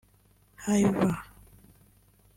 Hiver